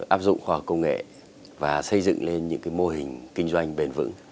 áp dụng khoa học công nghệ và xây dựng lên những mô hình kinh doanh bền vững